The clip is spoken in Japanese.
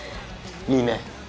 いいね。